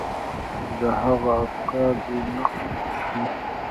د هغه افکار دې نقد شي.